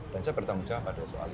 dan saya bertanggung jawab pada soal itu